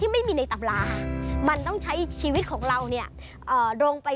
มีความสุขมีความสุขมีความสุขมีความสุขมีความสุข